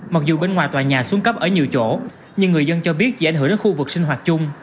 mặc dù bên ngoài tòa nhà xuống cấp ở nhiều chỗ nhưng người dân cho biết dễ ảnh hưởng đến khu vực sinh hoạt chung